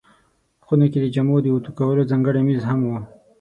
خونه کې د جامو د اوتو کولو ځانګړی مېز هم و.